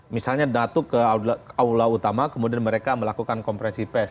misalnya datuk ke aula utama kemudian mereka melakukan konferensi pes